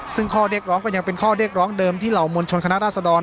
ซึ่งข้อเรียกร้องก็ยังเป็นข้อเรียกร้องเดิมที่เหล่ามวลชนคณะราษฎร